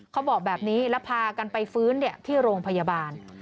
เขาบอกแบบนี้แล้วพากันไปฟื้นที่โรงพยาบาล